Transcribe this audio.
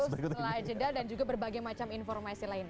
setelah jeda dan juga berbagai macam informasi lain